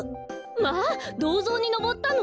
まあどうぞうにのぼったの？